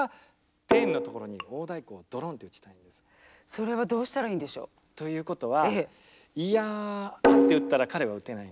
それはどうしたらいいんでしょう？ということは「イヤア」って打ったら彼は打てないんですね。